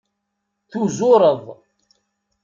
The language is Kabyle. Tuzureḍ.